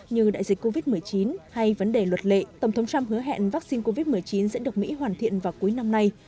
như đại dịch covid một mươi chín hay vấn đề luật lệ tổng thống trump hứa hẹn vaccine covid một mươi chín sẽ được mỹ hoàn thiện vào cuối năm nay